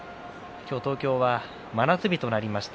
今日、東京は真夏日となりました。